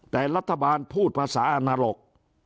แต่รัฐบาลพูดภาษาอนรก